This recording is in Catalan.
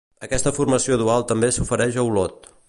Aquesta formació dual també s'ofereix a Olot.